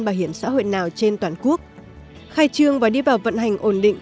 bảo hiểm xã hội nào trên toàn quốc khai trương và đi vào vận hành ổn định